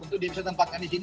untuk bisa tempatkan di sini